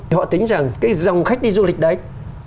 họ tính rằng cái dòng khách đi du lịch đấy